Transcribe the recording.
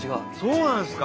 そうなんですか。